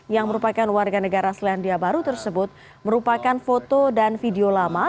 yang merupakan warga negara selandia baru tersebut merupakan foto dan video lama